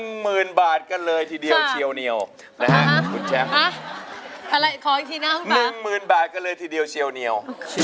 ๑หมื่นบาทก็เลยทีเดียวเชี่ยวเหนียว